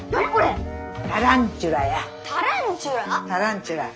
タランチュラや。